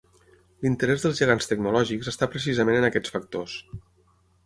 L'interès dels gegants tecnològics està precisament en aquests factors.